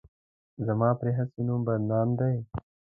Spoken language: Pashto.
زما پرې هسې نوم بدنام دی.